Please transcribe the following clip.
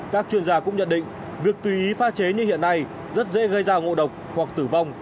các chuyên gia cũng nhận định việc tùy ý pha chế như hiện nay rất dễ gây ra ngộ độc hoặc tử vong